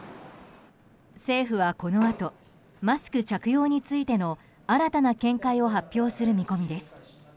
政府はこのあとマスク着用についての新たな見解を発表する見込みです。